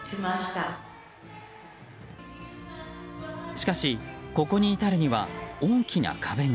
しかしここに至るには大きな壁が。